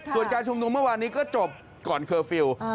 ส่วนการชุมนุมเมื่อวานนี้ก็จบก่อนเคอร์ฟิลล์